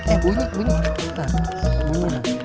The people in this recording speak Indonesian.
eh bunyi bunyi